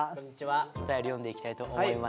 お便り読んでいきたいと思います。